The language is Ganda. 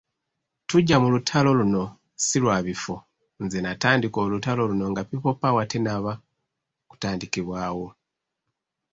Tujja mu lutalo luno si lwa bifo, nze natandika olutalo luno nga People Power tennaba kutandikibwawo.